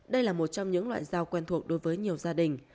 đây là một trong những loại dao quen thuộc đối với nhiều gia đình